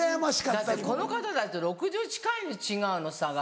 だってこの方たちと６０歳近い違うの差が。